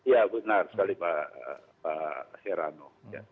ya benar sekali pak herano